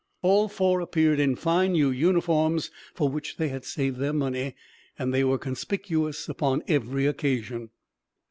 All four appeared in fine new uniforms, for which they had saved their money, and they were conspicuous upon every occasion.